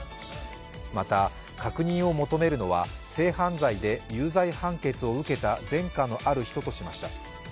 また確認を求めるのは性犯罪で有罪判決を受けた前科のある人としました。